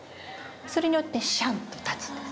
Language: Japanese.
それによってシャンと立つんです。